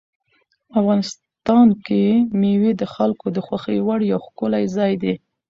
افغانستان کې مېوې د خلکو د خوښې وړ یو ښکلی ځای دی.